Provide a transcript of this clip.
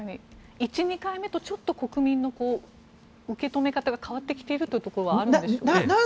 １、２回目と国民の受け止め方が変わってきているということがあるんでしょうか。